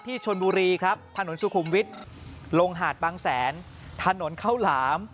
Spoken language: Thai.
ชนบุรีครับถนนสุขุมวิทย์ลงหาดบางแสนถนนข้าวหลาม